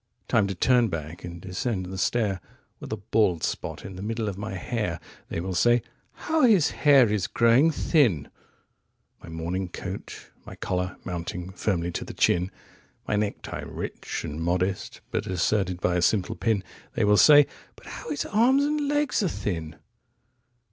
"39Time to turn back and descend the stair,40With a bald spot in the middle of my hair 41(They will say: 'How his hair is growing thin!")42My morning coat, my collar mounting firmly to the chin,43My necktie rich and modest, but asserted by a simple pin 44(They will say: "But how his arms and legs are thin!")